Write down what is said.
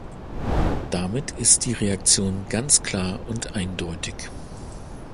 Damit ist die Reaktion ganz klar und eindeutig.